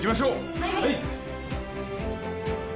「はい」